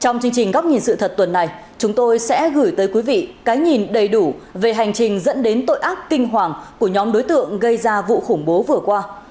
trong chương trình góc nhìn sự thật tuần này chúng tôi sẽ gửi tới quý vị cái nhìn đầy đủ về hành trình dẫn đến tội ác kinh hoàng của nhóm đối tượng gây ra vụ khủng bố vừa qua